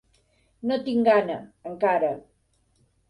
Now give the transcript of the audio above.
No tinc gana, encara.